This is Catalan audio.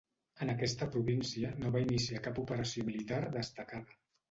En aquesta província no va iniciar cap operació militar destacada.